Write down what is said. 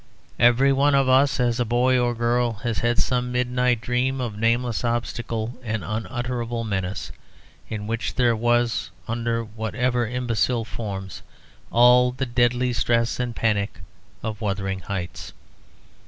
Every one of us as a boy or girl has had some midnight dream of nameless obstacle and unutterable menace, in which there was, under whatever imbecile forms, all the deadly stress and panic of "Wuthering Heights."